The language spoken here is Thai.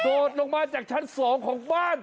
โดดลงมาจากชั้น๒ของบ้าน